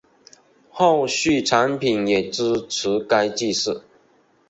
后续产品也支持该技术